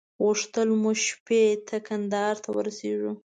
غوښتل مو شپې ته کندهار ته ورسېږو.